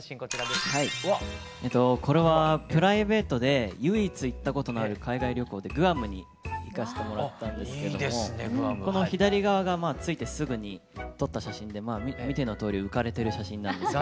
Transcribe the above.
これはプライベートで唯一行ったことのある海外旅行でグアムに行かしてもらったんですけどもこの左側が着いてすぐに撮った写真で見てのとおり浮かれてる写真なんですが。